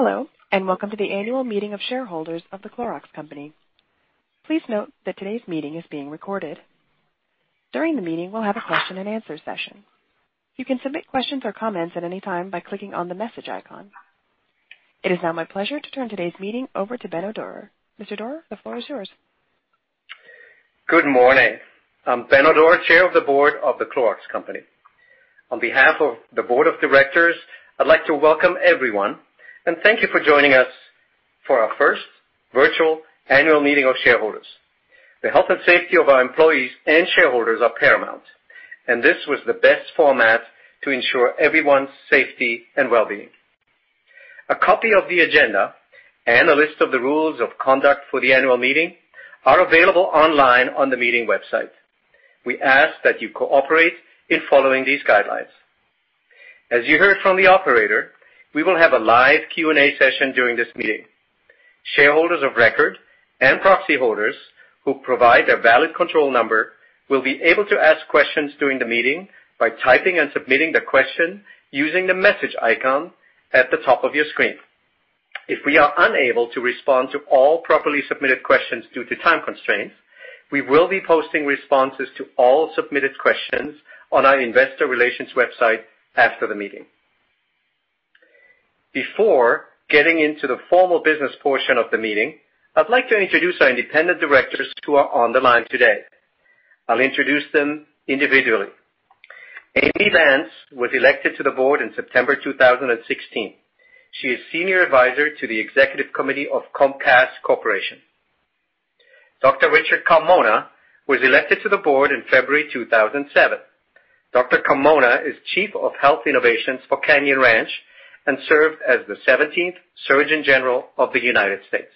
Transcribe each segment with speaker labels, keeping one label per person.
Speaker 1: Hello, and welcome to the annual meeting of shareholders of the Clorox Company. Please note that today's meeting is being recorded. During the meeting, we'll have a question-and-answer session. You can submit questions or comments at any time by clicking on the message icon. It is now my pleasure to turn today's meeting over to Benno Dorer. Mr. Dorer, the floor is yours.
Speaker 2: Good morning. I'm Benno Dorer, Chair of the Board of The Clorox Company. On behalf of the Board of Directors, I'd like to welcome everyone and thank you for joining us for our first virtual annual meeting of shareholders. The health and safety of our employees and shareholders are paramount, and this was the best format to ensure everyone's safety and well-being. A copy of the agenda and a list of the rules of conduct for the annual meeting are available online on the meeting website. We ask that you cooperate in following these guidelines. As you heard from the operator, we will have a live Q&A session during this meeting. Shareholders of record and proxy holders who provide their valid control number will be able to ask questions during the meeting by typing and submitting the question using the message icon at the top of your screen. If we are unable to respond to all properly submitted questions due to time constraints, we will be posting responses to all submitted questions on our investor relations website after the meeting. Before getting into the formal business portion of the meeting, I'd like to introduce our independent directors who are on the line today. I'll introduce them individually. Amy Banse was elected to the board in September 2016. She is Senior Advisor to the Executive Committee of Comcast Corporation. Dr. Richard Carmona was elected to the board in February 2007. Dr. Carmona is Chief of Health Innovations for Canyon Ranch and served as the 17th Surgeon General of the United States.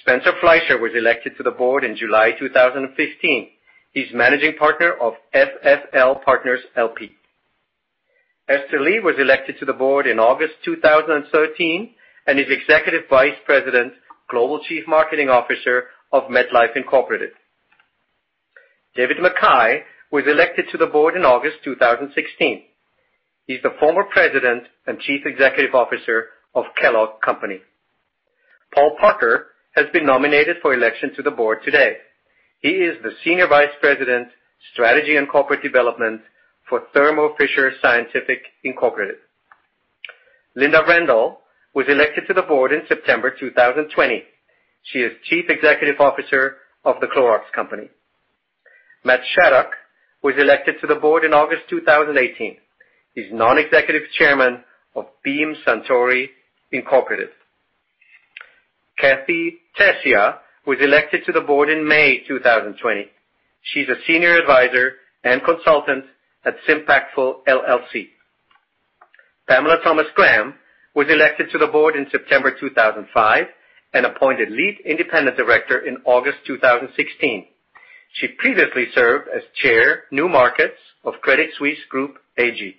Speaker 2: Spencer Fleischer was elected to the board in July 2015. He's Managing Partner of FFL Partners LP. Esther Lee was elected to the board in August 2013 and is Executive Vice President, Global Chief Marketing Officer of MedLife Incorporated. David Mackay was elected to the board in August 2016. He's the former President and Chief Executive Officer of Kellogg Company. Paul Parker has been nominated for election to the board today. He is the Senior Vice President, Strategy and Corporate Development for Thermo Fisher Scientific Incorporated. Linda Rendle was elected to the board in September 2020. She is Chief Executive Officer of the Clorox Company. Matt Shadock was elected to the board in August 2018. He's Non-Executive Chairman of Beam Suntory Incorporated. Kathee Tesija was elected to the board in May 2020. She's a Senior Advisor and Consultant at Simpactful LLC. Pamela Thomas-Graham was elected to the board in September 2005 and appointed Lead Independent Director in August 2016. She previously served as Chair New Markets of Credit Suisse Group AG.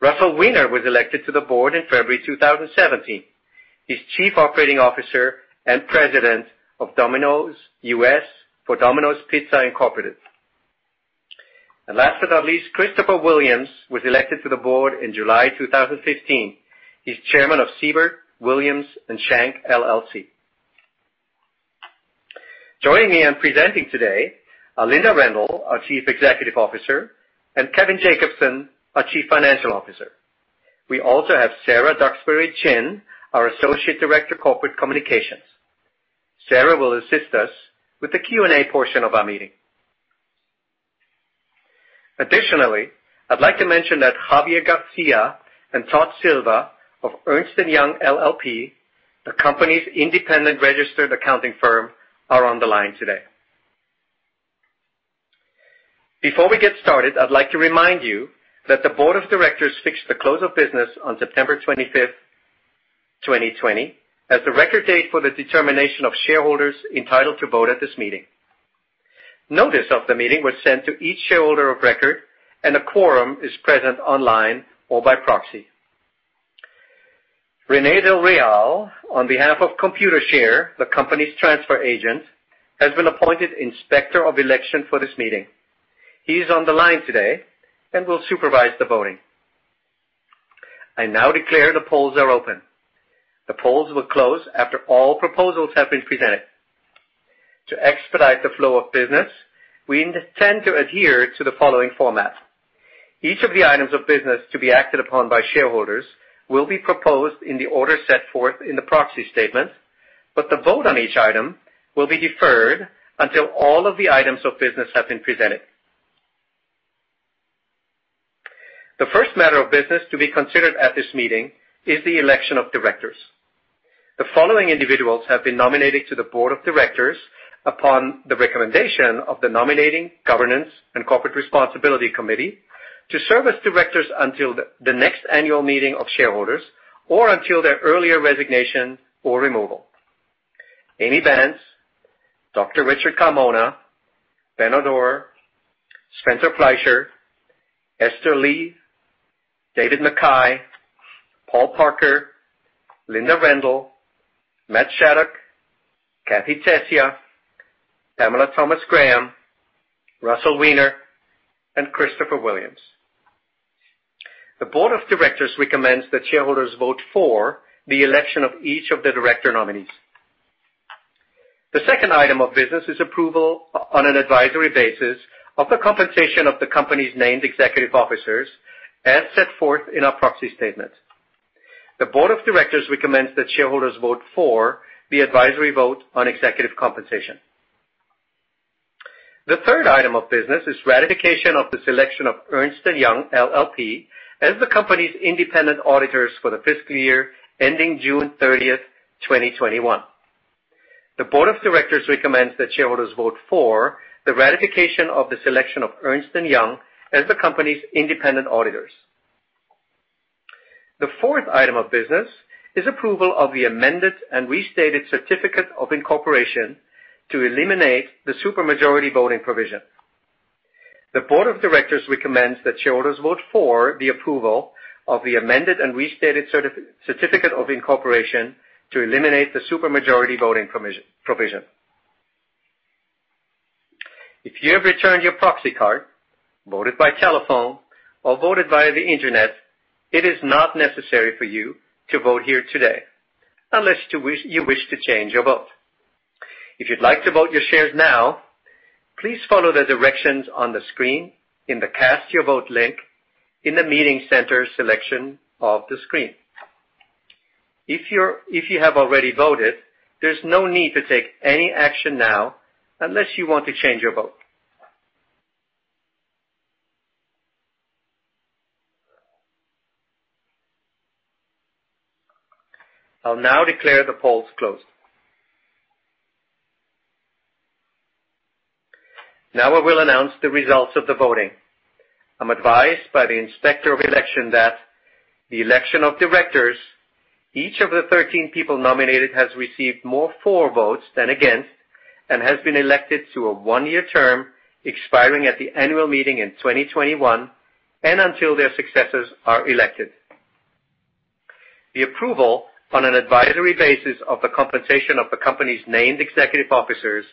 Speaker 2: Russell Wiener was elected to the board in February 2017. He's Chief Operating Officer and President of Domino's US for Domino's Pizza Incorporated. And last but not least, Christopher Williams was elected to the board in July 2015. He's Chairman of Seaber, Williams, and Shank LLC. Joining me and presenting today are Linda Rendle, our Chief Executive Officer, and Kevin Jacobsen, our Chief Financial Officer. We also have Sarah Duxbury Chin, our Associate Director, Corporate Communications. Sarah will assist us with the Q&A portion of our meeting. Additionally, I'd like to mention that Javier Garcia and Todd Silva of Ernst & Young LLP, the company's independent registered accounting firm, are on the line today. Before we get started, I'd like to remind you that the Board of Directors fixed the close of business on September 25th, 2020, as the record date for the determination of shareholders entitled to vote at this meeting. Notice of the meeting was sent to each shareholder of record, and a quorum is present online or by proxy. René Del Real, on behalf of ComputerShare, the company's transfer agent, has been appointed Inspector of Election for this meeting. He's on the line today and will supervise the voting. I now declare the polls are open. The polls will close after all proposals have been presented. To expedite the flow of business, we intend to adhere to the following format. Each of the items of business to be acted upon by shareholders will be proposed in the order set forth in the proxy statement, but the vote on each item will be deferred until all of the items of business have been presented. The first matter of business to be considered at this meeting is the election of directors. The following individuals have been nominated to the Board of Directors upon the recommendation of the Nominating Governance and Corporate Responsibility Committee to serve as directors until the next annual meeting of shareholders or until their earlier resignation or removal. Amy Banse, Dr. Richard Carmona, Benno Dorer, Spencer Fleischer, Esther Lee, David Mackay, Paul Parker, Linda Rendle, Matt Shadock, Kathee Tesija, Pamela Thomas-Graham, Russell Wiener, and Christopher Williams. The Board of Directors recommends that shareholders vote for the election of each of the director nominees. The second item of business is approval on an advisory basis of the compensation of the company's named executive officers, as set forth in our proxy statement. The Board of Directors recommends that shareholders vote for the advisory vote on executive compensation. The third item of business is ratification of the selection of Ernst & Young LLP as the company's independent auditors for the fiscal year ending June 30th, 2021. The Board of Directors recommends that shareholders vote for the ratification of the selection of Ernst & Young as the company's independent auditors. The fourth item of business is approval of the amended and restated certificate of incorporation to eliminate the supermajority voting provision. The Board of Directors recommends that shareholders vote for the approval of the amended and restated certificate of incorporation to eliminate the supermajority voting provision. If you have returned your proxy card, voted by telephone, or voted via the internet, it is not necessary for you to vote here today unless you wish to change your vote. If you'd like to vote your shares now, please follow the directions on the screen in the Cast Your Vote link in the meeting center selection of the screen. If you have already voted, there's no need to take any action now unless you want to change your vote. I'll now declare the polls closed. Now I will announce the results of the voting. I'm advised by the Inspector of Election that the election of directors, each of the 13 people nominated, has received more for votes than against and has been elected to a one-year term expiring at the annual meeting in 2021 and until their successors are elected. The approval on an advisory basis of the compensation of the company's named executive officers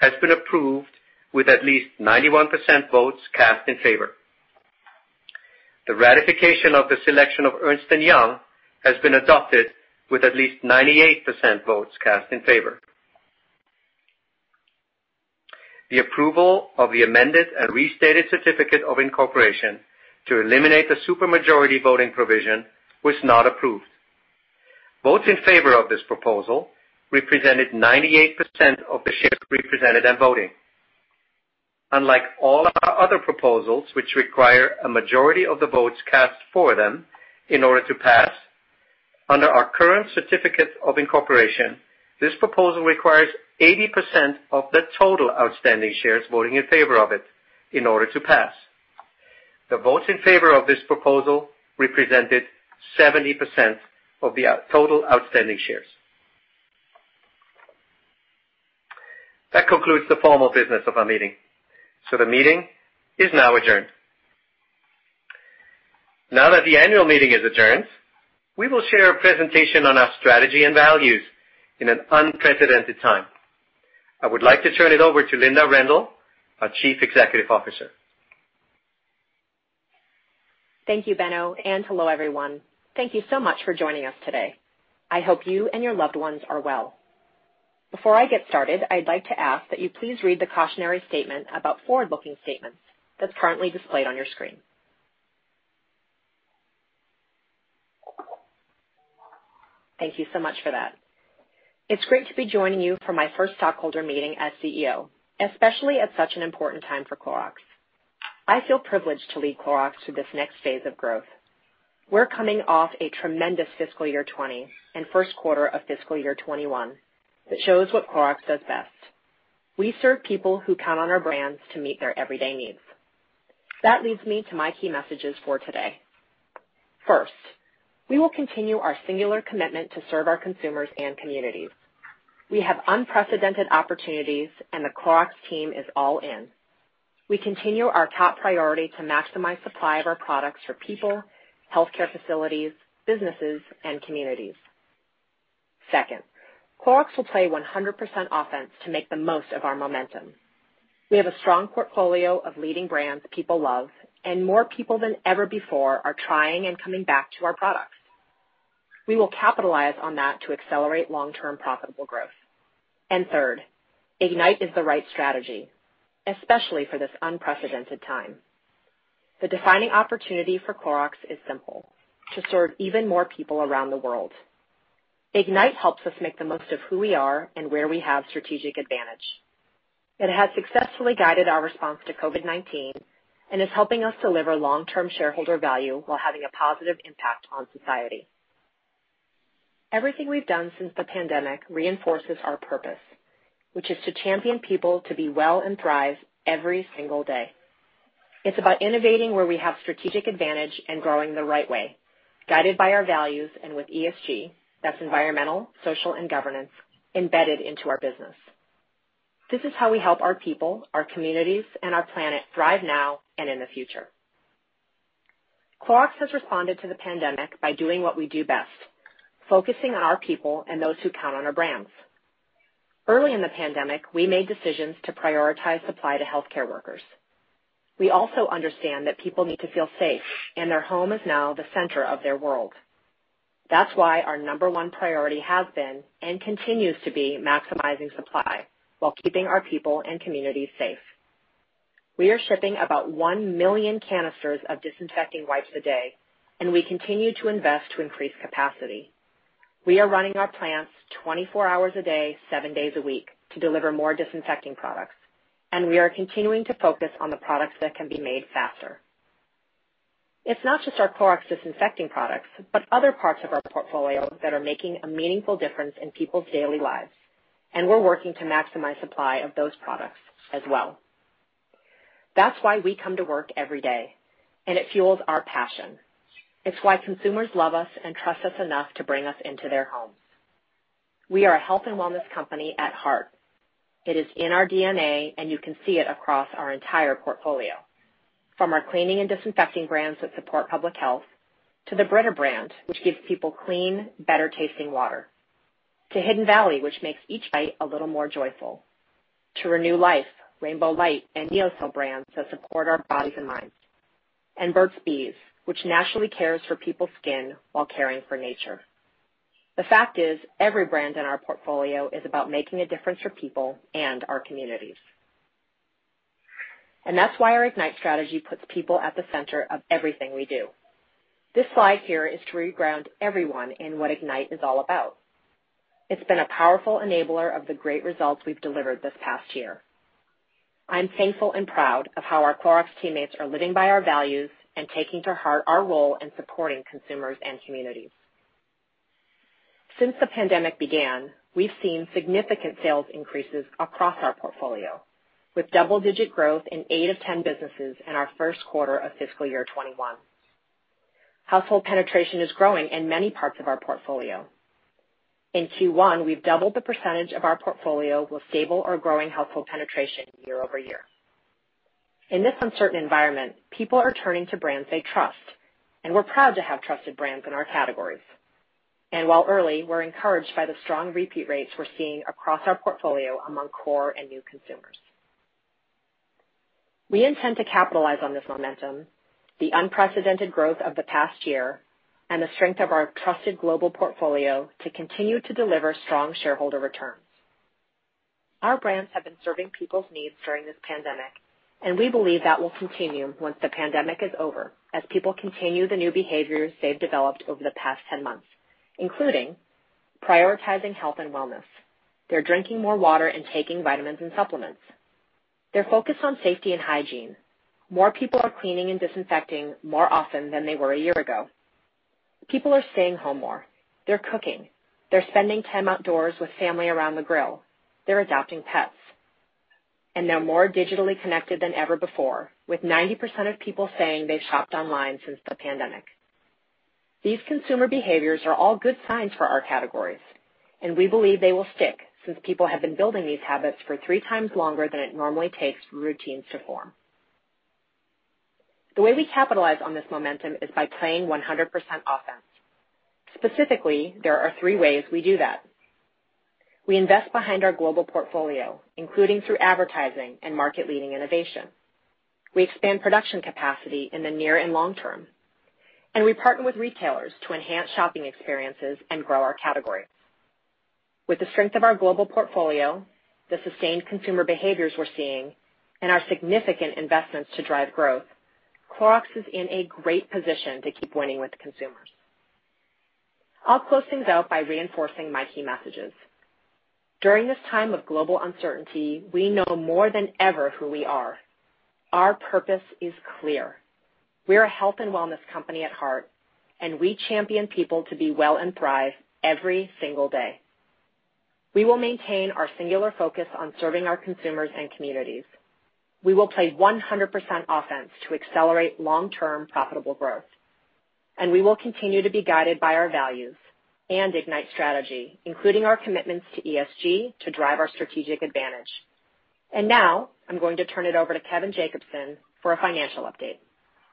Speaker 2: has been approved with at least 91% votes cast in favor. The ratification of the selection of Ernst & Young has been adopted with at least 98% votes cast in favor. The approval of the amended and restated certificate of incorporation to eliminate the supermajority voting provision was not approved. Votes in favor of this proposal represented 98% of the shares represented in voting. Unlike all our other proposals, which require a majority of the votes cast for them in order to pass, under our current certificate of incorporation, this proposal requires 80% of the total outstanding shares voting in favor of it in order to pass. The votes in favor of this proposal represented 70% of the total outstanding shares. That concludes the formal business of our meeting. So the meeting is now adjourned. Now that the annual meeting is adjourned, we will share a presentation on our strategy and values in an unprecedented time. I would like to turn it over to Linda Rendle, our Chief Executive Officer.
Speaker 3: Thank you, Benno, and hello, everyone. Thank you so much for joining us today. I hope you and your loved ones are well. Before I get started, I'd like to ask that you please read the cautionary statement about forward-looking statements that's currently displayed on your screen. Thank you so much for that. It's great to be joining you for my first stockholder meeting as CEO, especially at such an important time for Clorox. I feel privileged to lead Clorox through this next phase of growth. We're coming off a tremendous fiscal year 2020 and first quarter of fiscal year 2021 that shows what Clorox does best. We serve people who count on our brands to meet their everyday needs. That leads me to my key messages for today. First, we will continue our singular commitment to serve our consumers and communities. We have unprecedented opportunities, and the Clorox team is all in. We continue our top priority to maximize supply of our products for people, healthcare facilities, businesses, and communities. Second, Clorox will play 100% offense to make the most of our momentum. We have a strong portfolio of leading brands people love, and more people than ever before are trying and coming back to our products. We will capitalize on that to accelerate long-term profitable growth. And third, IGNITE is the right strategy, especially for this unprecedented time. The defining opportunity for Clorox is simple: to serve even more people around the world. IGNITE helps us make the most of who we are and where we have strategic advantage. It has successfully guided our response to COVID-19 and is helping us deliver long-term shareholder value while having a positive impact on society. Everything we've done since the pandemic reinforces our purpose, which is to champion people to be well and thrive every single day. It's about innovating where we have strategic advantage and growing the right way, guided by our values and with ESG, that's Environmental, Social, and Governance, embedded into our business. This is how we help our people, our communities, and our planet thrive now and in the future. Clorox has responded to the pandemic by doing what we do best: focusing on our people and those who count on our brands. Early in the pandemic, we made decisions to prioritize supply to healthcare workers. We also understand that people need to feel safe, and their home is now the center of their world. That's why our number one priority has been and continues to be maximizing supply while keeping our people and communities safe. We are shipping about one million canisters of disinfecting wipes a day, and we continue to invest to increase capacity. We are running our plants 24 hours a day, seven days a week to deliver more disinfecting products, and we are continuing to focus on the products that can be made faster. It's not just our Clorox disinfecting products, but other parts of our portfolio that are making a meaningful difference in people's daily lives, and we're working to maximize supply of those products as well. That's why we come to work every day, and it fuels our passion. It's why consumers love us and trust us enough to bring us into their homes. We are a health and wellness company at heart. It is in our DNA, and you can see it across our entire portfolio, from our cleaning and disinfecting brands that support public health to the Brita brand, which gives people clean, better-tasting water; to Hidden Valley, which makes each bite a little more joyful; to Renew Life, Rainbow Light, and NeoCell brands that support our bodies and minds; and Burt's Bees, which naturally cares for people's skin while caring for nature. The fact is, every brand in our portfolio is about making a difference for people and our communities. And that's why our IGNITE strategy puts people at the center of everything we do. This slide here is to re-ground everyone in what IGNITE is all about. It's been a powerful enabler of the great results we've delivered this past year. I'm thankful and proud of how our Clorox teammates are living by our values and taking to heart our role in supporting consumers and communities. Since the pandemic began, we've seen significant sales increases across our portfolio, with double-digit growth in 8 of 10 businesses in our first quarter of fiscal year 2021. Household penetration is growing in many parts of our portfolio. In Q1, we've doubled the percentage of our portfolio with stable or growing household penetration year over year. In this uncertain environment, people are turning to brands they trust, and we're proud to have trusted brands in our categories. And while early, we're encouraged by the strong repeat rates we're seeing across our portfolio among core and new consumers. We intend to capitalize on this momentum, the unprecedented growth of the past year, and the strength of our trusted global portfolio to continue to deliver strong shareholder returns. Our brands have been serving people's needs during this pandemic, and we believe that will continue once the pandemic is over as people continue the new behaviors they've developed over the past 10 months, including prioritizing health and wellness, they're drinking more water and taking vitamins and supplements, their focus on safety and hygiene, more people are cleaning and disinfecting more often than they were a year ago, people are staying home more, they're cooking, they're spending time outdoors with family around the grill, they're adopting pets, and they're more digitally connected than ever before, with 90% of people saying they've shopped online since the pandemic. These consumer behaviors are all good signs for our categories, and we believe they will stick since people have been building these habits for three times longer than it normally takes for routines to form. The way we capitalize on this momentum is by playing 100% offense. Specifically, there are three ways we do that. We invest behind our global portfolio, including through advertising and market-leading innovation. We expand production capacity in the near and long term, and we partner with retailers to enhance shopping experiences and grow our category. With the strength of our global portfolio, the sustained consumer behaviors we're seeing, and our significant investments to drive growth, Clorox is in a great position to keep winning with consumers. I'll close things out by reinforcing my key messages. During this time of global uncertainty, we know more than ever who we are. Our purpose is clear. We're a health and wellness company at heart, and we champion people to be well and thrive every single day. We will maintain our singular focus on serving our consumers and communities. We will play 100% offense to accelerate long-term profitable growth, and we will continue to be guided by our values and IGNITE strategy, including our commitments to ESG to drive our strategic advantage. And now I'm going to turn it over to Kevin Jacobsen for a financial update.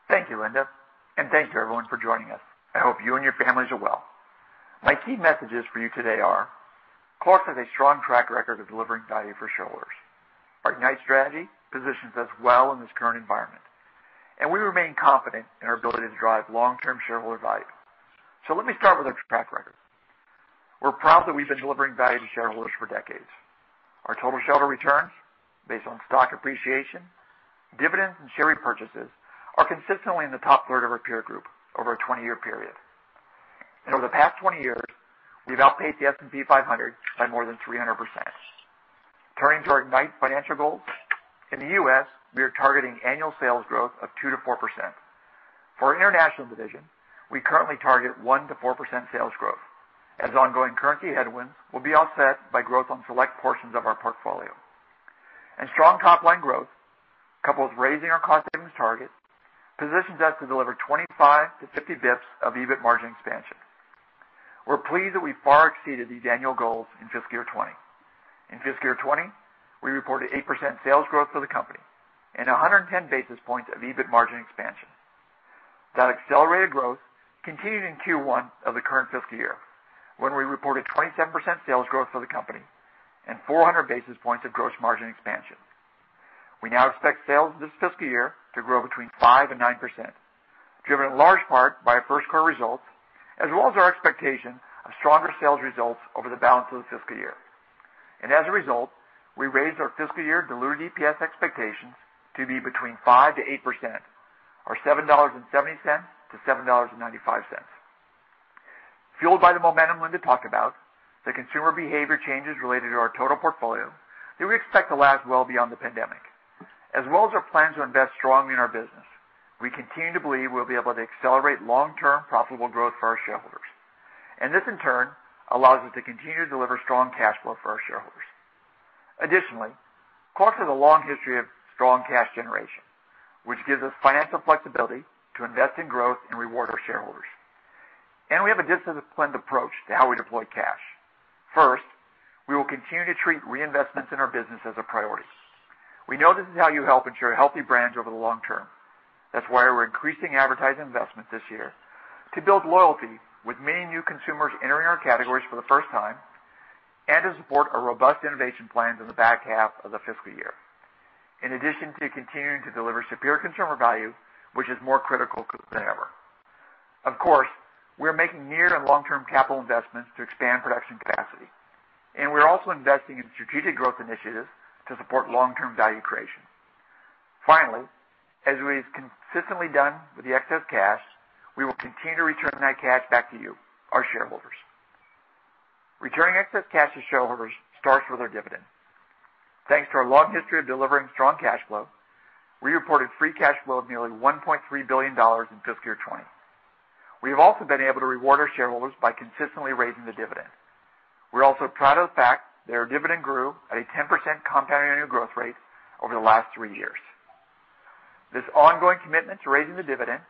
Speaker 4: Thank you, Linda. And thank you, everyone, for joining us. I hope you and your families are well. My key messages for you today are: Clorox has a strong track record of delivering value for shareholders. Our IGNITE strategy positions us well in this current environment, and we remain confident in our ability to drive long-term shareholder value. So let me start with our track record. We're proud that we've been delivering value to shareholders for decades. Our total shareholder returns, based on stock appreciation, dividends, and share repurchases, are consistently in the top third of our peer group over a 20-year period. And over the past 20 years, we've outpaced the S&P 500 by more than 300%. Turning to our IGNITE financial goals, in the US, we are targeting annual sales growth of 2% to 4%. For our international division, we currently target 1 to 4% sales growth, as ongoing currency headwinds will be offset by growth on select portions of our portfolio. And strong top-line growth, coupled with raising our cost-savings target, positions us to deliver 25 to 50 bips of EBIT margin expansion. We're pleased that we've far exceeded these annual goals in fiscal year 2020. In fiscal year 2020, we reported 8% sales growth for the company and 110 basis points of EBIT margin expansion. That accelerated growth continued in Q1 of the current fiscal year, when we reported 27% sales growth for the company and 400 basis points of gross margin expansion. We now expect sales this fiscal year to grow between 5% and 9%, driven in large part by our first quarter results, as well as our expectation of stronger sales results over the balance of the fiscal year. And as a result, we raised our fiscal year-diluted EPS expectations to be between 5% to 8%, or $7.70 to $7.95. Fueled by the momentum Linda talked about, the consumer behavior changes related to our total portfolio, that we expect to last well beyond the pandemic, as well as our plans to invest strongly in our business, we continue to believe we'll be able to accelerate long-term profitable growth for our shareholders. And this, in turn, allows us to continue to deliver strong cash flow for our shareholders. Additionally, Clorox has a long history of strong cash generation, which gives us financial flexibility to invest in growth and reward our shareholders. And we have a disciplined approach to how we deploy cash. First, we will continue to treat reinvestments in our business as a priority. We know this is how you help ensure healthy brands over the long term. That's why we're increasing advertising investment this year to build loyalty with many new consumers entering our categories for the first time and to support our robust innovation plans in the back half of the fiscal year, in addition to continuing to deliver superior consumer value, which is more critical than ever. Of course, we're making near and long-term capital investments to expand production capacity, and we're also investing in strategic growth initiatives to support long-term value creation. Finally, as we've consistently done with the excess cash, we will continue to return that cash back to you, our shareholders. Returning excess cash to shareholders starts with our dividend. Thanks to our long history of delivering strong cash flow, we reported free cash flow of nearly $1.3 billion in fiscal year 2020. We have also been able to reward our shareholders by consistently raising the dividend. We're also proud of the fact that our dividend grew at a 10% compound annual growth rate over the last three years. This ongoing commitment to raising the dividend,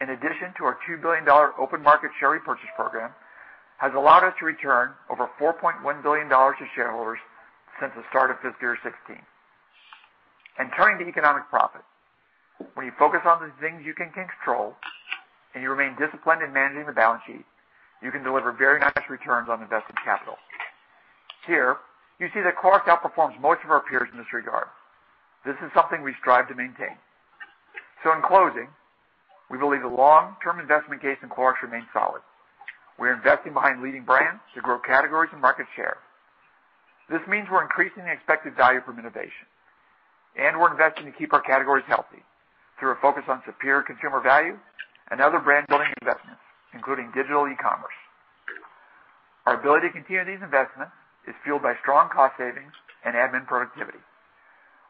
Speaker 4: in addition to our $2 billion open market share repurchase program, has allowed us to return over $4.1 billion to shareholders since the start of fiscal year 2016. And turning to economic profit, when you focus on the things you can control and you remain disciplined in managing the balance sheet, you can deliver very nice returns on invested capital. Here, you see that Clorox outperforms most of our peers in this regard. This is something we strive to maintain. So in closing, we believe the long-term investment case in Clorox remains solid. We're investing behind leading brands to grow categories and market share. This means we're increasing the expected value from innovation, and we're investing to keep our categories healthy through a focus on superior consumer value and other brand-building investments, including digital e-commerce. Our ability to continue these investments is fueled by strong cost savings and admin productivity.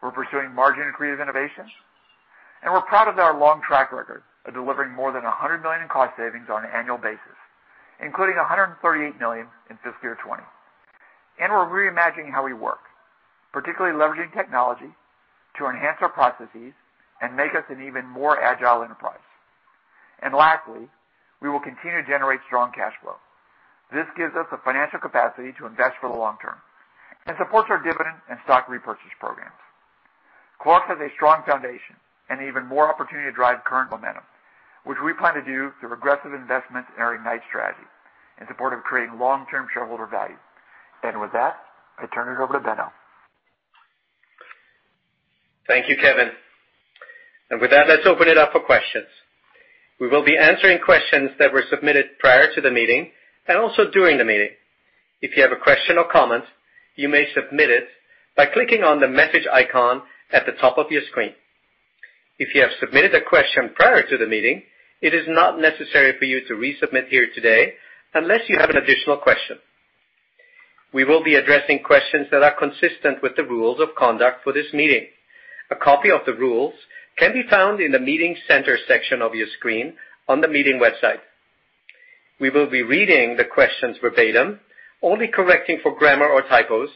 Speaker 4: We're pursuing margin and creative innovation, and we're proud of our long track record of delivering more than 100 million in cost savings on an annual basis, including 138 million in fiscal year 2020. And we're reimagining how we work, particularly leveraging technology to enhance our processes and make us an even more agile enterprise. And lastly, we will continue to generate strong cash flow. This gives us the financial capacity to invest for the long term and supports our dividend and stock repurchase programs. Clorox has a strong foundation and even more opportunity to drive current momentum, which we plan to do through aggressive investments in our IGNITE strategy in support of creating long-term shareholder value. And with that, I turn it over to Benno.
Speaker 2: Thank you, Kevin. And with that, let's open it up for questions. We will be answering questions that were submitted prior to the meeting and also during the meeting. If you have a question or comment, you may submit it by clicking on the message icon at the top of your screen. If you have submitted a question prior to the meeting, it is not necessary for you to resubmit here today unless you have an additional question. We will be addressing questions that are consistent with the rules of conduct for this meeting. A copy of the rules can be found in the Meeting Center section of your screen on the meeting website. We will be reading the questions verbatim, only correcting for grammar or typos,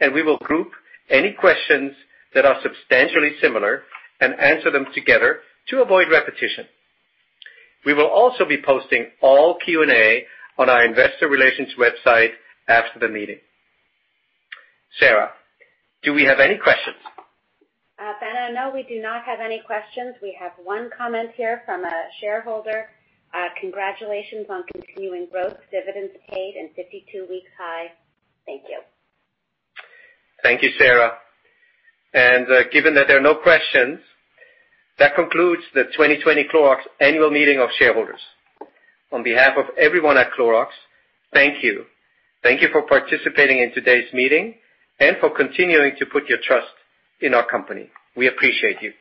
Speaker 2: and we will group any questions that are substantially similar and answer them together to avoid repetition. We will also be posting all Q&A on our investor relations website after the meeting. Sarah, do we have any questions?
Speaker 5: Benno, no, we do not have any questions. We have one comment here from a shareholder. Congratulations on continuing growth. Dividends paid in 52 weeks high. Thank you.
Speaker 2: Thank you, Sarah. And given that there are no questions, that concludes the 2020 Clorox Annual Meeting of Shareholders. On behalf of everyone at Clorox, thank you. Thank you for participating in today's meeting and for continuing to put your trust in our company. We appreciate you.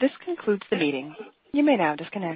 Speaker 1: This concludes the meeting. You may now disconnect.